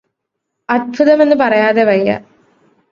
അത്ഭുതമെന്ന് പറയാതെ വയ്യ